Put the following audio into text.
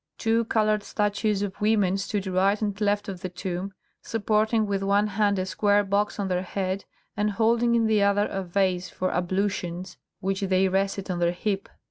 Two coloured statues of women stood right and left of the tomb, supporting, with one hand a square box on their head, and holding in the other a vase for ablutions which they rested on their hip.